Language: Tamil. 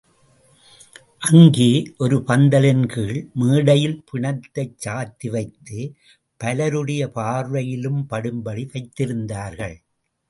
அங்கே ஒரு பந்தலின்கீழ் மேடையில் பிணத்தைச் சாத்தி வைத்து, பலருடைய பார்வையிலும் படும்படி வைத்திருந்தார்கள்.